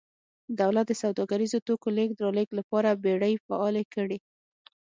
دولت د سوداګریزو توکو لېږد رالېږد لپاره بېړۍ فعالې کړې